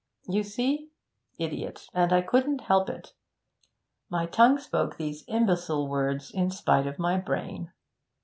'You see? Idiot! and I couldn't help it. My tongue spoke these imbecile words in spite of my brain.